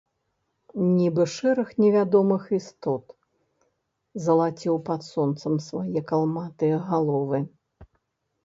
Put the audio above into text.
Нібы шэраг невядомых істот залаціў пад сонцам свае калматыя галовы.